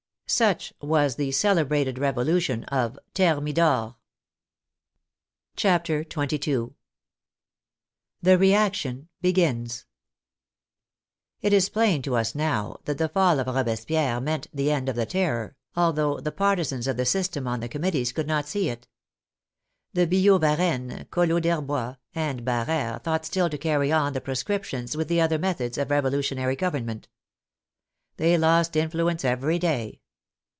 Such was the celebrated Revolution of " Thermidor." CHAPTER XXII THE REACTION BEGINS It is plain to us now that the fall of Robespierre meant the end of the Terror, although the partisans of the sys tem on the Committees could not see it. The Billaud Varennes, CoUot D'Herbois, and Bareres thought still to carry on the proscriptions with the other methods of revolutionary government. They lost influence every day.